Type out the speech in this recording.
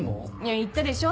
言ったでしょ